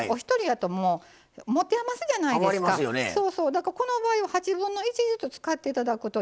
だからこの場合は８分の１ずつ使って頂くとですね